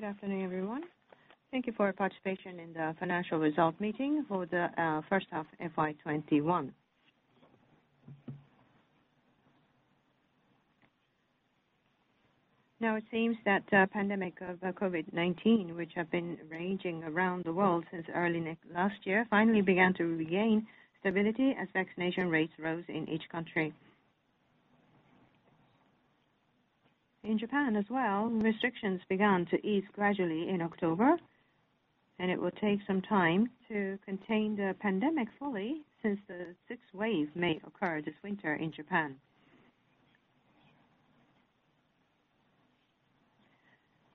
Good afternoon, everyone. Thank you for your participation in the financial result meeting for the first half FY 2021. Now it seems that the pandemic of COVID-19, which have been raging around the world since early last year, finally began to regain stability as vaccination rates rose in each country. In Japan as well, restrictions began to ease gradually in October, and it will take some time to contain the pandemic fully since the sixth wave may occur this winter in Japan.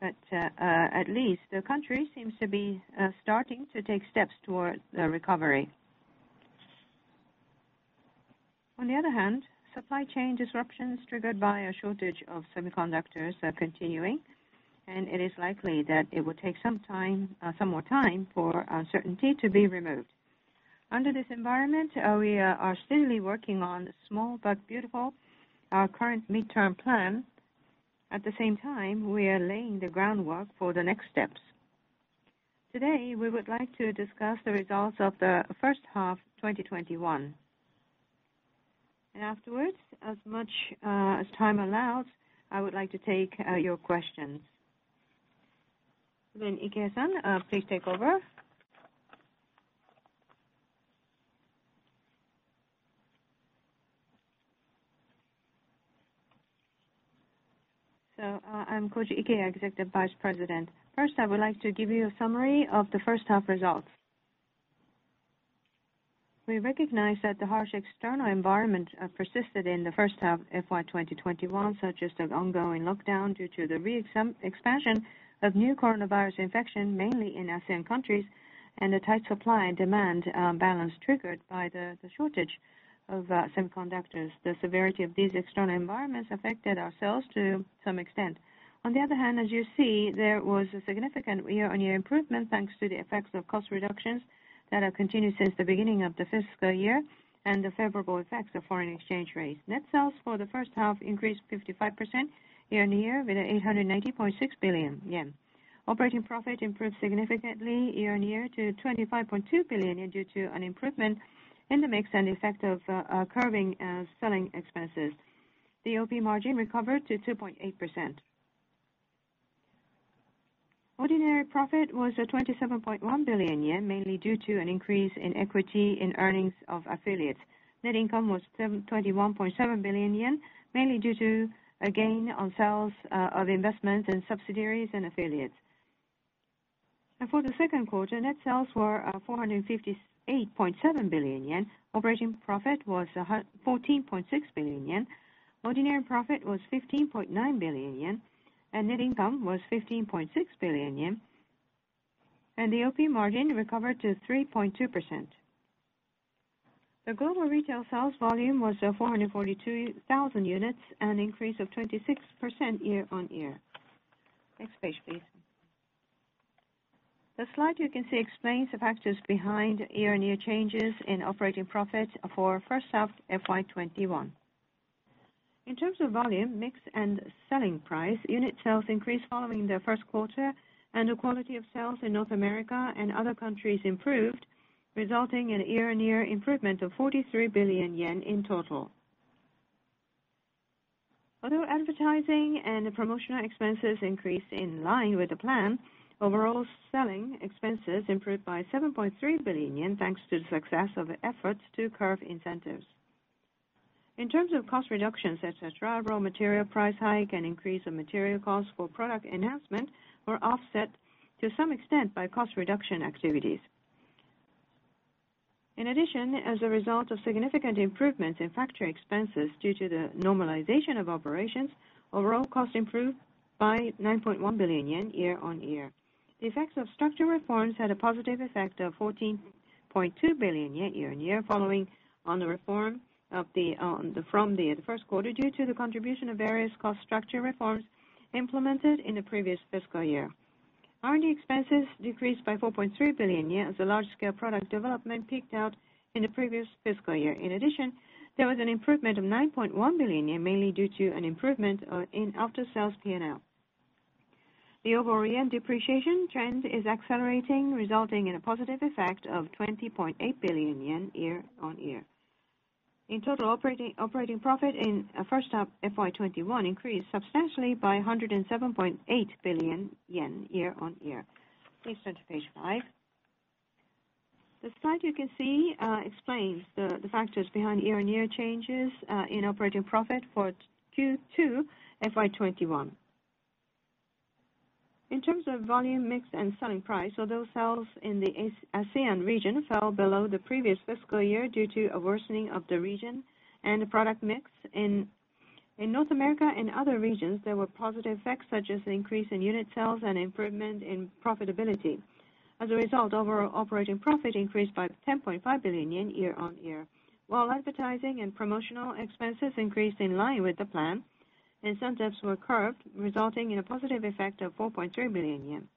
At least the country seems to be starting to take steps towards a recovery. On the other hand, supply chain disruptions triggered by a shortage of semiconductors are continuing, and it is likely that it will take some time, some more time for uncertainty to be removed. Under this environment, we are steadily working on Small but Beautiful, our current mid-term plan. At the same time, we are laying the groundwork for the next steps. Today, we would like to discuss the results of the first half 2021. Afterwards, as much as time allows, I would like to take your questions. Ikeya, please take over. I'm Koji Ikeya, Executive Vice President. First, I would like to give you a summary of the first half results. We recognize that the harsh external environment persisted in the first half FY 2021, such as the ongoing lockdown due to the expansion of new coronavirus infection, mainly in ASEAN countries, and a tight supply and demand balance triggered by the shortage of semiconductors. The severity of these external environments affected our sales to some extent. On the other hand, as you see, there was a significant year-on-year improvement, thanks to the effects of cost reductions that have continued since the beginning of the fiscal year and the favorable effects of foreign exchange rates. Net sales for the first half increased 55% year-on-year to 890.6 billion yen. Operating profit improved significantly year-on-year to 25.2 billion yen, and due to an improvement in the mix and effect of curbing selling expenses. The OP margin recovered to 2.8%. Ordinary profit was 27.1 billion yen, mainly due to an increase in equity in earnings of affiliates. Net income was 21.7 billion yen, mainly due to a gain on sales of investments in subsidiaries and affiliates. For the second quarter, net sales were 458.7 billion yen. Operating profit was 14.6 billion yen. Ordinary profit was 15.9 billion yen, and net income was 15.6 billion yen. The OP margin recovered to 3.2%. The global retail sales volume was 442,000 units, an increase of 26% year-on-year. Next page, please. The slide you can see explains the factors behind year-on-year changes in operating profit for first half FY 2021. In terms of volume, mix, and selling price, unit sales increased following the first quarter and the quality of sales in North America and other countries improved, resulting in year-on-year improvement of 43 billion yen in total. Although advertising and promotional expenses increased in line with the plan, overall selling expenses improved by 7.3 billion yen, thanks to the success of efforts to curb incentives. In terms of cost reductions, et cetera, raw material price hike and increase in material costs for product enhancement were offset to some extent by cost reduction activities. In addition, as a result of significant improvements in factory expenses due to the normalization of operations, overall costs improved by 9.1 billion yen year-on-year. The effects of structure reforms had a positive effect of 14.2 billion yen year-on-year from the first quarter due to the contribution of various cost structure reforms implemented in the previous fiscal year. R&D expenses decreased by 4.3 billion yen as the large scale product development peaked out in the previous fiscal year. In addition, there was an improvement of 9.1 billion yen, mainly due to an improvement in after-sales P&L. The overall yen depreciation trend is accelerating, resulting in a positive effect of 20.8 billion yen year-on-year. In total, operating profit in first half FY 2021 increased substantially by 107.8 billion yen year-on-year. Please turn to page five. The slide you can see explains the factors behind year-on-year changes in operating profit for Q2 FY 2021. In terms of volume, mix, and selling price, although sales in the ASEAN region fell below the previous fiscal year due to a worsening of the region and the product mix in North America and other regions, there were positive effects such as increase in unit sales and improvement in profitability. As a result, overall operating profit increased by 10.5 billion yen year-on-year. While advertising and promotional expenses increased in line with the plan, incentives were curbed, resulting in a positive effect of 4.3 billion yen.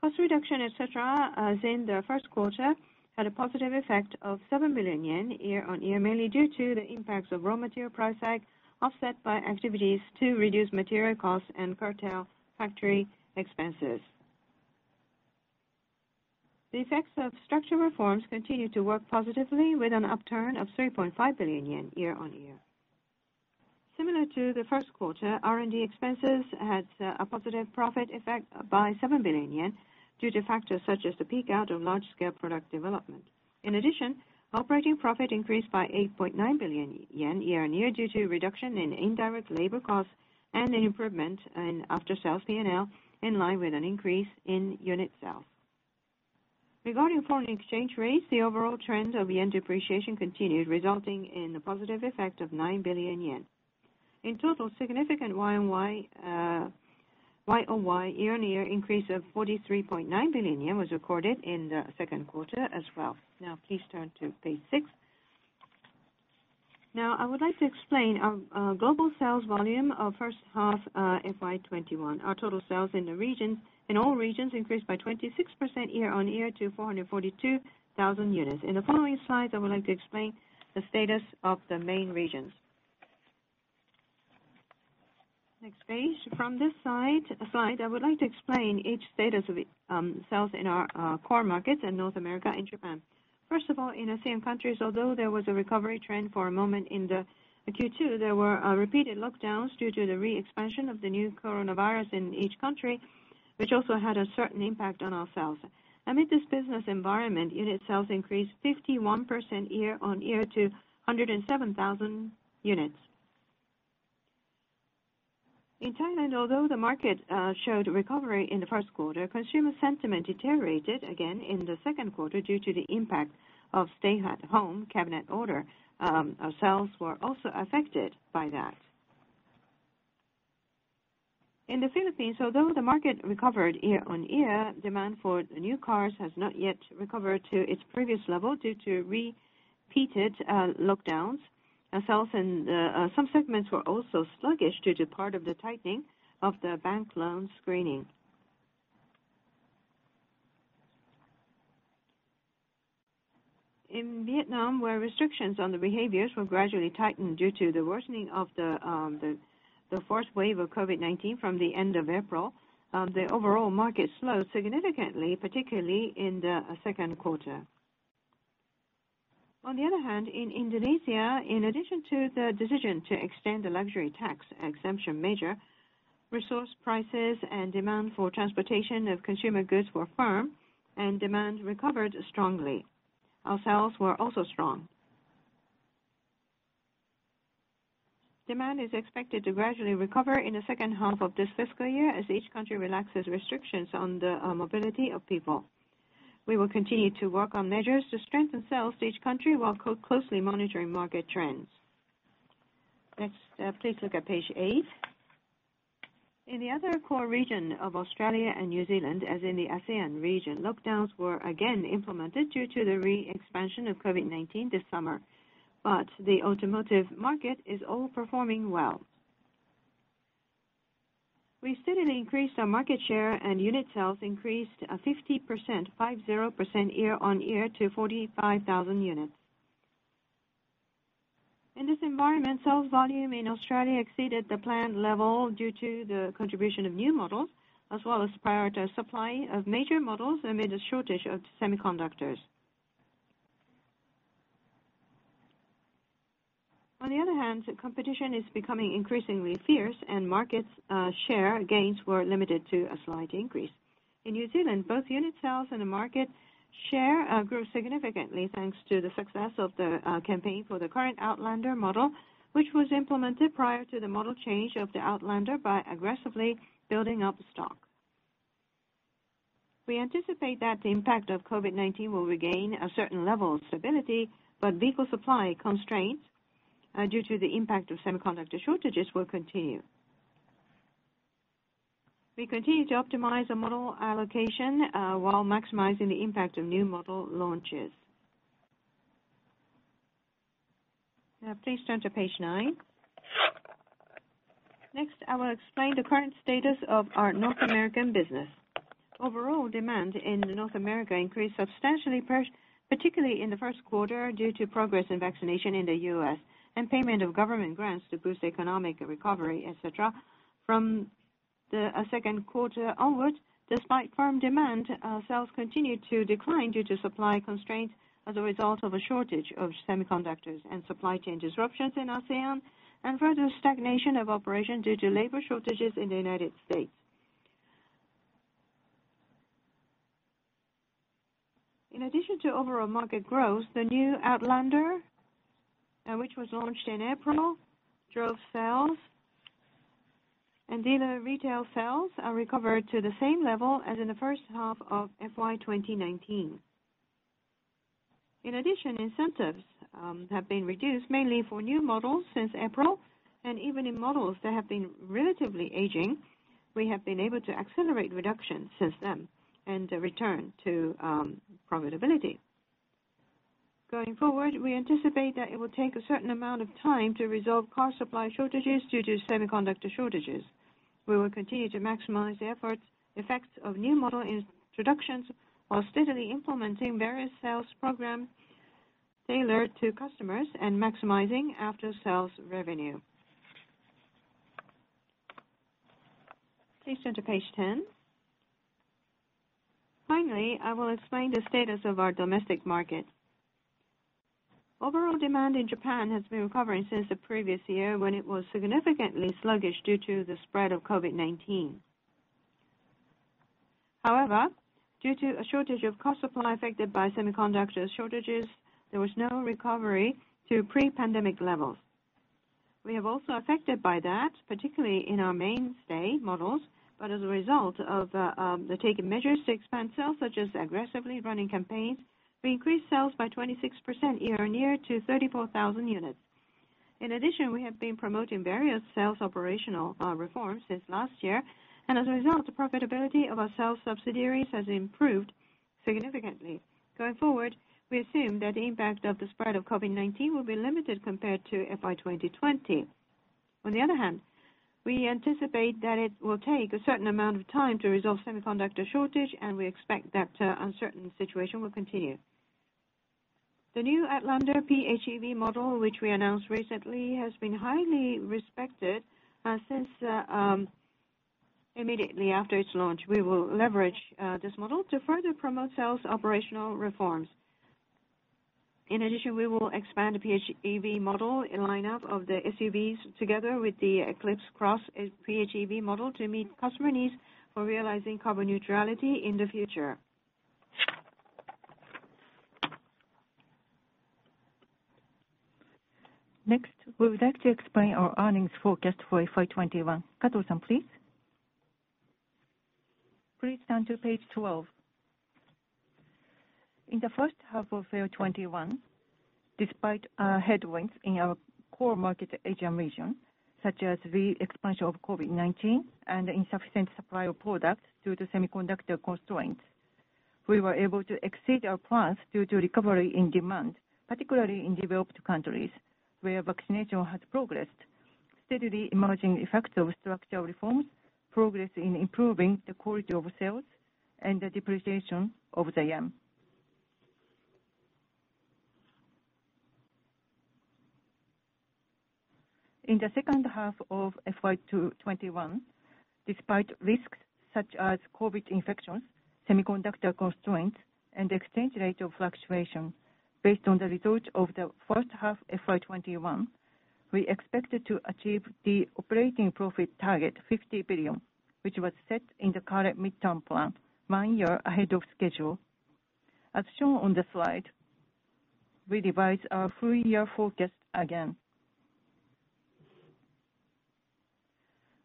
Cost reduction, et cetera, as in the first quarter, had a positive effect of 7 billion yen year-on-year, mainly due to the impacts of raw material price hike, offset by activities to reduce material costs and curtail factory expenses. The effects of structural reforms continue to work positively with an upturn of 3.5 billion yen year-on-year. Similar to the first quarter, R&D expenses had a positive profit effect by 7 billion yen due to factors such as the peak out of large scale product development. In addition, operating profit increased by 8.9 billion yen year-on-year due to reduction in indirect labor costs and an improvement in after-sales P&L in line with an increase in unit sales. Regarding foreign exchange rates, the overall trend of yen depreciation continued, resulting in a positive effect of 9 billion yen. In total, significant year-on-year increase of 43.9 billion yen was recorded in the second quarter as well. Now please turn to page six. Now I would like to explain our global sales volume of first half FY 2021. Our total sales in the region, in all regions increased by 26% year-on-year to 442,000 units. In the following slides, I would like to explain the status of the main regions. Next page. From this side, slide, I would like to explain each status of each sales in our core markets in North America and Japan. First of all, in ASEAN countries, although there was a recovery trend for a moment in the Q2, there were repeated lockdowns due to the re-expansion of the new coronavirus in each country, which also had a certain impact on our sales. Amid this business environment, unit sales increased 51% year-on-year to 107,000 units. In Thailand, although the market showed recovery in the first quarter, consumer sentiment deteriorated again in the second quarter due to the impact of stay-at-home cabinet order. Our sales were also affected by that. In the Philippines, although the market recovered year-on-year, demand for new cars has not yet recovered to its previous level due to repeated lockdowns. Our sales in the some segments were also sluggish due to part of the tightening of the bank loan screening. In Vietnam, where restrictions on the behaviors were gradually tightened due to the worsening of the first wave of COVID-19 from the end of April, the overall market slowed significantly, particularly in the second quarter. On the other hand, in Indonesia, in addition to the decision to extend the luxury tax exemption measure, resource prices and demand for transportation of consumer goods were firm and demand recovered strongly. Our sales were also strong. Demand is expected to gradually recover in the second half of this fiscal year as each country relaxes restrictions on the mobility of people. We will continue to work on measures to strengthen sales to each country while closely monitoring market trends. Next, please look at page eight. In the other core region of Australia and New Zealand, as in the ASEAN region, lockdowns were again implemented due to the re-expansion of COVID-19 this summer. The automotive market is also performing well. We steadily increased our market share and unit sales increased 50% year-on-year to 45,000 units. In this environment, sales volume in Australia exceeded the planned level due to the contribution of new models, as well as prior to supply of major models amid a shortage of semiconductors. On the other hand, competition is becoming increasingly fierce and market share gains were limited to a slight increase. In New Zealand, both unit sales and the market share grew significantly thanks to the success of the campaign for the current OUTLANDER model, which was implemented prior to the model change of the OUTLANDER by aggressively building up stock. We anticipate that the impact of COVID-19 will regain a certain level of stability, but vehicle supply constraints due to the impact of semiconductor shortages will continue. We continue to optimize our model allocation while maximizing the impact of new model launches. Now please turn to page 9. Next, I will explain the current status of our North American business. Overall demand in North America increased substantially first, particularly in the first quarter, due to progress in vaccination in the U.S. and payment of government grants to boost economic recovery, et cetera. From the second quarter onwards, despite firm demand, our sales continued to decline due to supply constraints as a result of a shortage of semiconductors and supply chain disruptions in ASEAN and further stagnation of operation due to labor shortages in the United States. In addition to overall market growth, the all-new OUTLANDER, which was launched in April, drove sales and dealer retail sales recovered to the same level as in the first half of FY 2019. In addition, incentives have been reduced mainly for new models since April, and even in models that have been relatively aging, we have been able to accelerate reduction since then and return to profitability. Going forward, we anticipate that it will take a certain amount of time to resolve car supply shortages due to semiconductor shortages. We will continue to maximize the efforts, effects of new model introductions while steadily implementing various sales program tailored to customers and maximizing after-sales revenue. Please turn to page 10. Finally, I will explain the status of our domestic market. Overall demand in Japan has been recovering since the previous year when it was significantly sluggish due to the spread of COVID-19. However, due to a shortage of car supply affected by semiconductor shortages, there was no recovery to pre-pandemic levels. We have also been affected by that, particularly in our mainstay models, but as a result of the measures taken to expand sales, such as aggressively running campaigns, we increased sales by 26% year-on-year to 34,000 units. In addition, we have been promoting various sales operational reforms since last year, and as a result, the profitability of our sales subsidiaries has improved significantly. Going forward, we assume that the impact of the spread of COVID-19 will be limited compared to FY 2020. On the other hand, we anticipate that it will take a certain amount of time to resolve semiconductor shortage, and we expect that uncertain situation will continue. The all-new OUTLANDER PHEV model, which we announced recently, has been highly respected since immediately after its launch. We will leverage this model to further promote sales operational reforms. In addition, we will expand the PHEV model in line-up of the SUVs together with the ECLIPSE CROSS PHEV model to meet customer needs for realizing carbon neutrality in the future. Next, we would like to explain our earnings forecast for FY 2021. Kato-san, please. Please turn to page 12. In the first half of FY 2021, despite headwinds in our core market Asian region, such as re-expansion of COVID-19 and insufficient supply of products due to semiconductor constraints, we were able to exceed our plans due to recovery in demand, particularly in developed countries where vaccination has progressed, steadily emerging effects of structural reforms, progress in improving the quality of sales, and the depreciation of the yen. In the second half of FY 2021, despite risks such as COVID infections, semiconductor constraints, and exchange rate fluctuations, based on the results of the first half of FY 2021, we expected to achieve the operating profit target 50 billion, which was set in the current midterm plan one year ahead of schedule. As shown on the slide, we revise our full-year forecast again.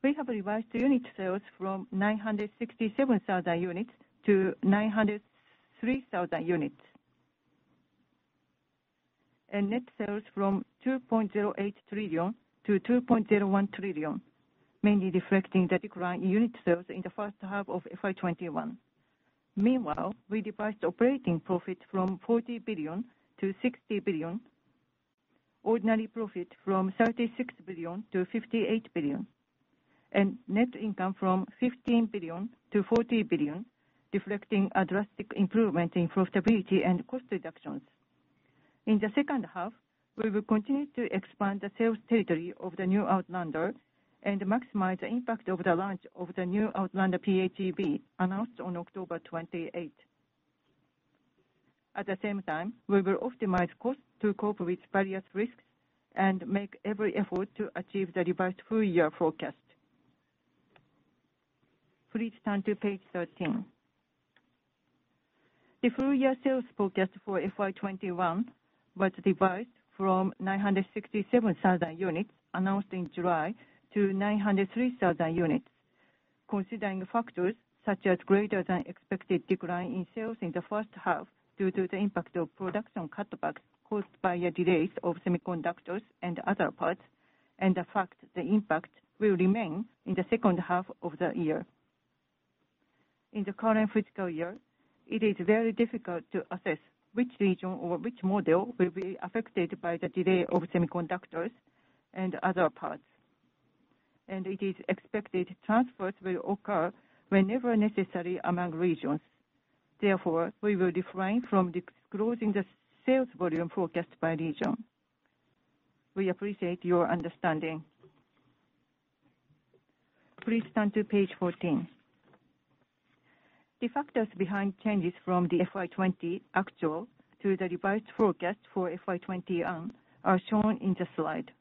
We have revised unit sales from 967,000 units to 903,000 units. Net sales from 2.08 trillion to 2.01 trillion, mainly reflecting the decline in unit sales in the first half of FY 2021. Meanwhile, we revised operating profit from 40 billion-60 billion, ordinary profit from 36 billion-58 billion, and net income from 15 billion-40 billion, reflecting a drastic improvement in profitability and cost reductions. In the second half, we will continue to expand the sales territory of the all-new OUTLANDER and maximize the impact of the launch of the all-new OUTLANDER PHEV announced on October 28th. At the same time, we will optimize costs to cope with various risks and make every effort to achieve the revised full-year forecast. Please turn to page 13. The full-year sales forecast for FY 2021 was revised from 967,000 units announced in July to 903,000 units, considering factors such as greater than expected decline in sales in the first half due to the impact of production cutbacks caused by the delays of semiconductors and other parts and the fact the impact will remain in the second half of the year. In the current fiscal year, it is very difficult to assess which region or which model will be affected by the delay of semiconductors and other parts, and it is expected transfers will occur whenever necessary among regions. Therefore, we will refrain from disclosing the sales volume forecast by region. We appreciate your understanding. Please turn to page 14. The factors behind changes from the FY 2020 actual to the revised forecast for FY 2021 are shown in the slide.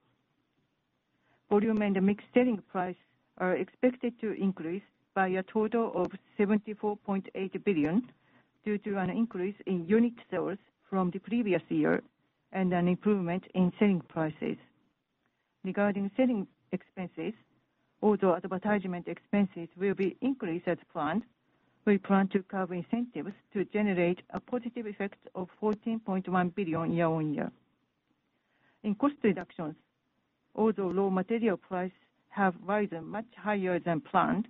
Volume and mix, selling price are expected to increase by a total of 74.8 billion due to an increase in unit sales from the previous year and an improvement in selling prices. Regarding selling expenses, although advertisement expenses will be increased as planned, we plan to cover incentives to generate a positive effect of 14.1 billion year-on-year. In cost reductions, although raw material prices have risen much higher than planned,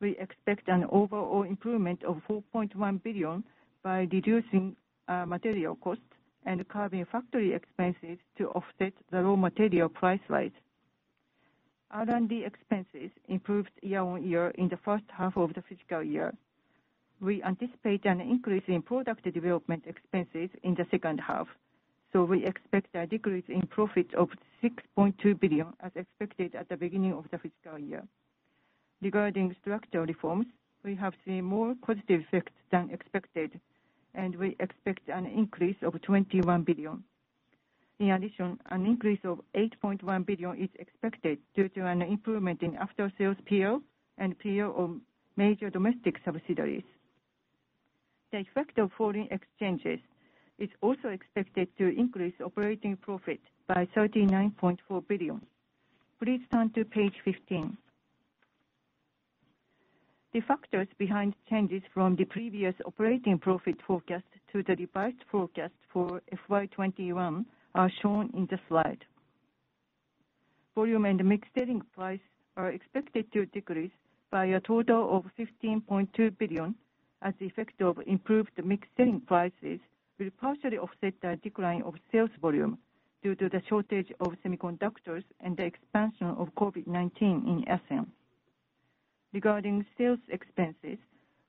we expect an overall improvement of 4.1 billion by reducing material costs and curbing factory expenses to offset the raw material price rise. R&D expenses improved year-on-year in the first half of the fiscal year. We anticipate an increase in product development expenses in the second half, so we expect a decrease in profit of 6.2 billion as expected at the beginning of the fiscal year. Regarding structural reforms, we have seen more positive effects than expected, and we expect an increase of 21 billion. In addition, an increase of 8.1 billion is expected due to an improvement in after-sales P&L and P&L of major domestic subsidiaries. The effect of foreign exchanges is also expected to increase operating profit by 39.4 billion. Please turn to page 15. The factors behind changes from the previous operating profit forecast to the revised forecast for FY 2021 are shown in the slide. Volume and mix selling price are expected to decrease by a total of 15.2 billion as the effect of improved mix selling prices will partially offset the decline of sales volume due to the shortage of semiconductors and the expansion of COVID-19 in ASEAN. Regarding sales expenses,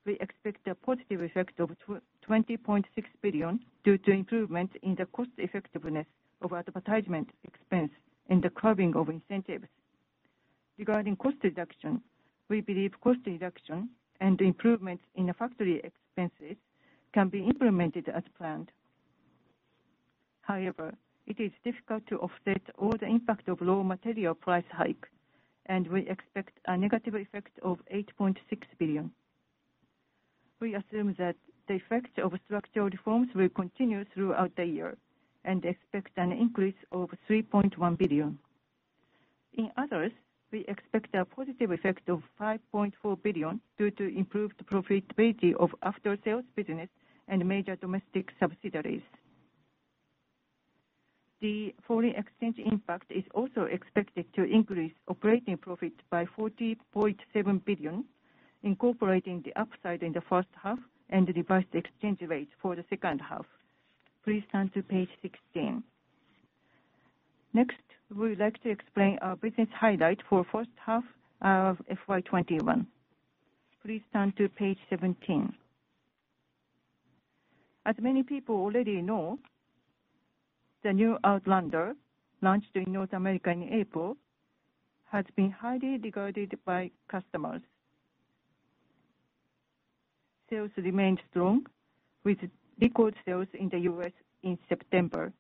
we expect a positive effect of 20.6 billion due to improvement in the cost effectiveness of advertising expense and the curbing of incentives. Regarding cost reduction, we believe cost reduction and improvement in the factory expenses can be implemented as planned. However, it is difficult to offset all the impact of raw material price hike, and we expect a negative effect of 8.6 billion. We assume that the effect of structural reforms will continue throughout the year and expect an increase of 3.1 billion. In others, we expect a positive effect of 5.4 billion due to improved profitability of after-sales business and major domestic subsidiaries. The foreign exchange impact is also expected to increase operating profit by 40.7 billion, incorporating the upside in the first half and the revised exchange rate for the second half. Please turn to page 16. Next, we would like to explain our business highlight for first half of FY 2021. Please turn to page 17. As many people already know, the all-new OUTLANDER, launched in North America in April, has been highly regarded by customers. Sales remained strong with record sales in the U.S. in September.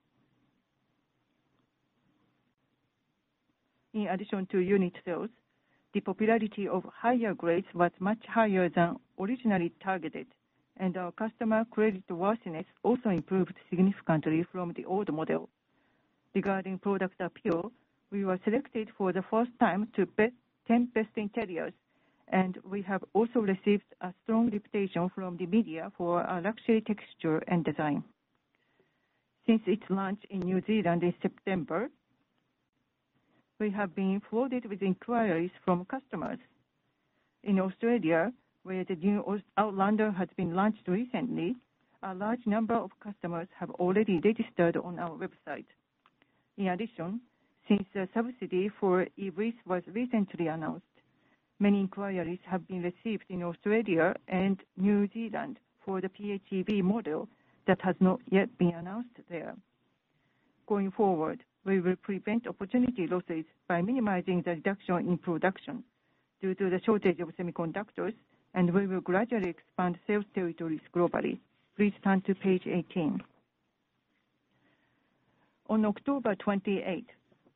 In addition to unit sales, the popularity of higher grades was much higher than originally targeted, and our customer credit worthiness also improved significantly from the old model. Regarding product appeal, we were selected for the first time to the Wards 10 Best Interiors, and we have also received a strong reputation from the media for our luxury, texture, and design. Since its launch in New Zealand in September, we have been flooded with inquiries from customers. In Australia, where the all-new OUTLANDER has been launched recently, a large number of customers have already registered on our website. In addition, since the subsidy for EV was recently announced, many inquiries have been received in Australia and New Zealand for the PHEV model that has not yet been announced there. Going forward, we will prevent opportunity losses by minimizing the reduction in production due to the shortage of semiconductors, and we will gradually expand sales territories globally. Please turn to page 18. On October 28,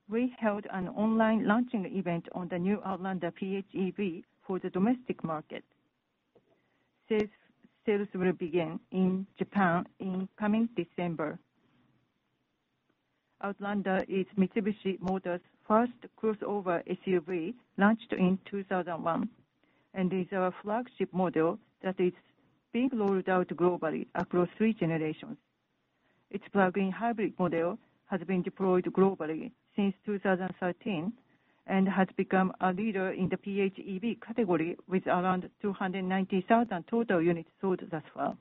we held an online launching event on the all-new OUTLANDER PHEV for the domestic market. Sales will begin in Japan in coming December. OUTLANDER is Mitsubishi Motors' first crossover SUV, launched in 2001, and is our flagship model that is being rolled out globally across three generations. Its plug-in hybrid model has been deployed globally since 2013 and has become a leader in the PHEV category with around 290,000 total units sold as well.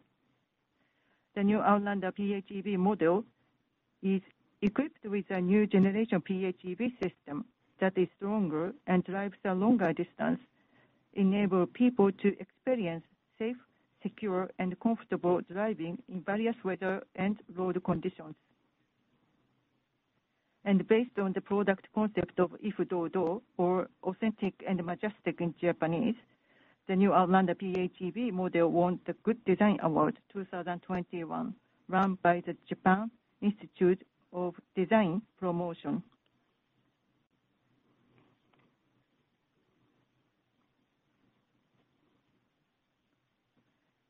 The all-new OUTLANDER PHEV model is equipped with a new generation PHEV system that is stronger and drives a longer distance, enable people to experience safe, secure, and comfortable driving in various weather and road conditions. Based on the product concept of I-Fu-Do-Do, or authentic and majestic in Japanese, the all-new OUTLANDER PHEV model won the Good Design Award 2021, run by the Japan Institute of Design Promotion.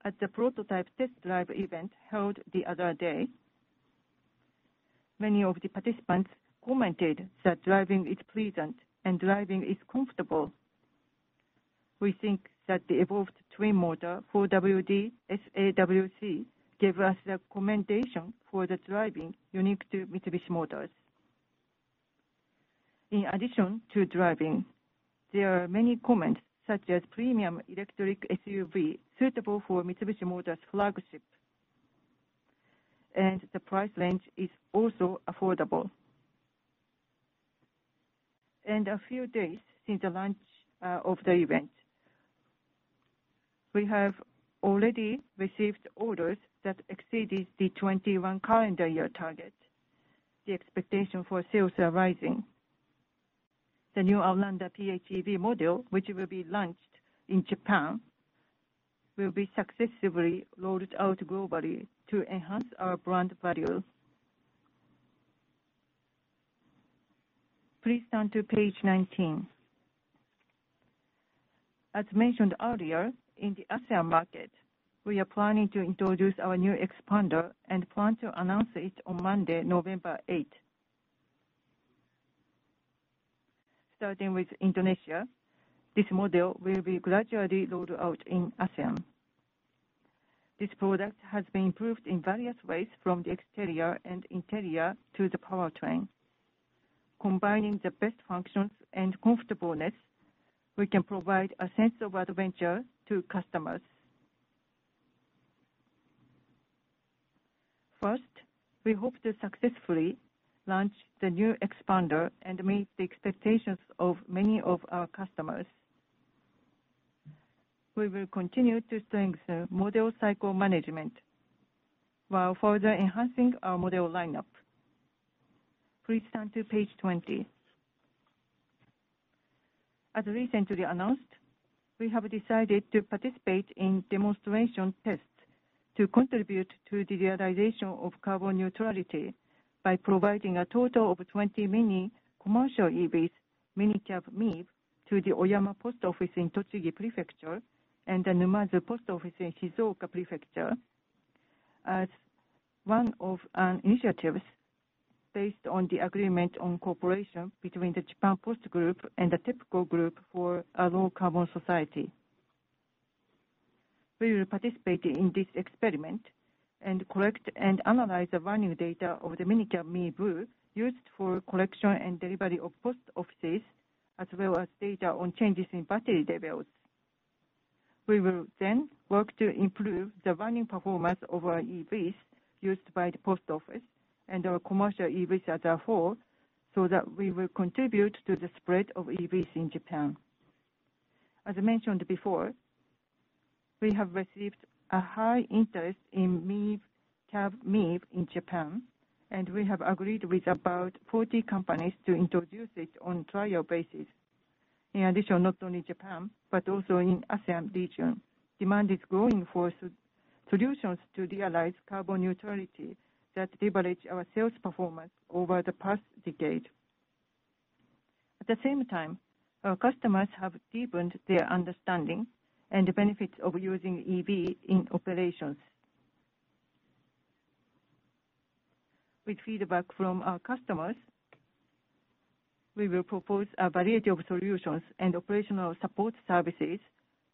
At the prototype test drive event held the other day, many of the participants commented that driving is pleasant and driving is comfortable. We think that the evolved Twin Motor 4WD S-AWC gave us the commendation for the driving unique to Mitsubishi Motors. In addition to driving, there are many comments such as premium electric SUV suitable for Mitsubishi Motors flagship, and the price range is also affordable. A few days since the launch of the event, we have already received orders that exceeded the 21 calendar year target. The expectation for sales are rising. The all-new OUTLANDER PHEV model, which will be launched in Japan, will be successively rolled out globally to enhance our brand value. Please turn to page 19. As mentioned earlier, in the ASEAN market, we are planning to introduce our new XPANDER and plan to announce it on Monday, November eighth. Starting with Indonesia, this model will be gradually rolled out in ASEAN. This product has been improved in various ways, from the exterior and interior to the powertrain. Combining the best functions and comfortableness, we can provide a sense of adventure to customers. First, we hope to successfully launch the new XPANDER and meet the expectations of many of our customers. We will continue to strengthen model cycle management while further enhancing our model lineup. Please turn to page 20. As recently announced, we have decided to participate in demonstration tests to contribute to the realization of carbon neutrality by providing a total of 20 MINICAB-MiEV to the Oyama Post Office in Tochigi Prefecture and the Numazu Post Office in Shizuoka Prefecture, as one of the initiatives based on the agreement on cooperation between the Japan Post Group and the Mitsubishi Group for a low carbon society. We will participate in this experiment and collect and analyze the running data of the MINICAB-MiEV used for collection and delivery of post offices, as well as data on changes in battery levels. We will then work to improve the running performance of our EVs used by the post office and our commercial EVs as a whole, so that we will contribute to the spread of EVs in Japan. As I mentioned before, we have received a high interest in MINICAB-MiEV in Japan, and we have agreed with about 40 companies to introduce it on trial basis. In addition, not only in Japan, but also in the ASEAN region, demand is growing for solutions to realize carbon neutrality that leverage our sales performance over the past decade. At the same time, our customers have deepened their understanding of the benefits of using EV in operations. With feedback from our customers, we will propose a variety of solutions and operational support services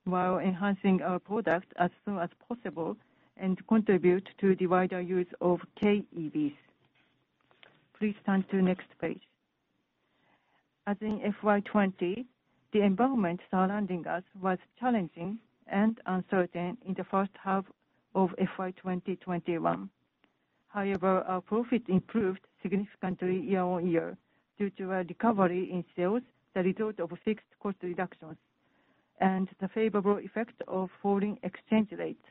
while enhancing our product as soon as possible and contribute to the wider use of kei EVs. Please turn to next page. As in FY 2020, the environment surrounding us was challenging and uncertain in the first half of FY 2021. However, our profit improved significantly year-on-year due to a recovery in sales, the result of fixed cost reductions and the favorable effects of falling exchange rates.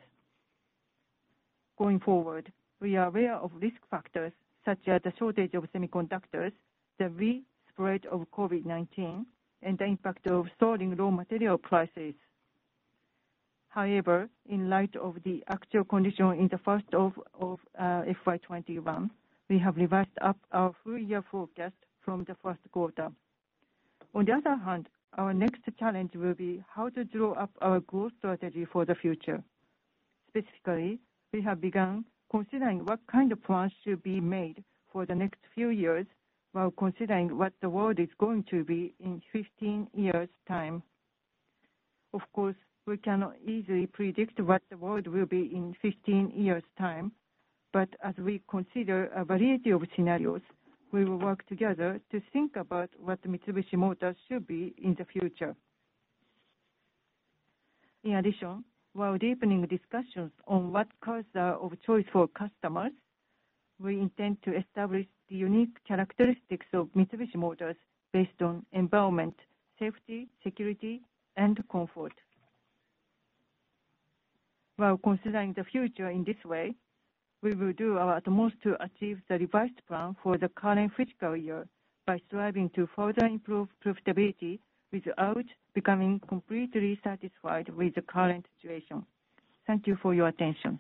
Going forward, we are aware of risk factors such as the shortage of semiconductors, the re-spread of COVID-19, and the impact of soaring raw material prices. However, in light of the actual condition in the first half of FY 2021, we have revised up our full year forecast from the first quarter. On the other hand, our next challenge will be how to draw up our growth strategy for the future. Specifically, we have begun considering what kind of plans should be made for the next few years while considering what the world is going to be in 15 years' time. Of course, we cannot easily predict what the world will be in 15 years' time, but as we consider a variety of scenarios, we will work together to think about what Mitsubishi Motors should be in the future. In addition, while deepening discussions on what cars are of choice for customers, we intend to establish the unique characteristics of Mitsubishi Motors based on environment, safety, security, and comfort. While considering the future in this way, we will do our utmost to achieve the revised plan for the current fiscal year by striving to further improve profitability without becoming completely satisfied with the current situation. Thank you for your attention.